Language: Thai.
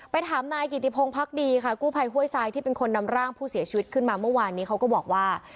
ถามนายกิติพงภักดีค่ะกู้ภัยห้วยทรายที่เป็นคนนำร่างผู้เสียชีวิตขึ้นมาเมื่อวานนี้เขาก็บอกว่า